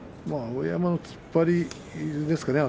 碧山の突っ張りですかね。